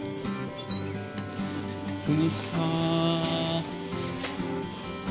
こんにちは。